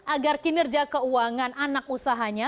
agar kinerja keuangan anak usahanya